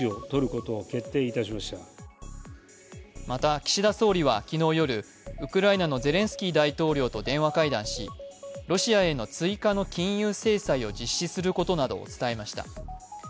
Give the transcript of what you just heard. また、岸田総理は昨日夜、ウクライナのゼレンスキー大統領と電話会談し、ロシアへの追加の金融制裁を実施することなどを伝えました。